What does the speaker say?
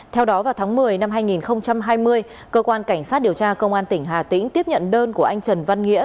theo đó vào tháng một mươi năm hai nghìn hai mươi cơ quan cảnh sát điều tra công an tỉnh hà tĩnh tiếp nhận đơn của anh trần văn nghĩa